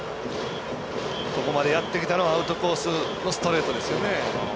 ここまでやってきたのはアウトコースのストレートですね。